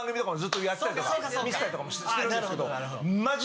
見てたりとかもしてるんですけど。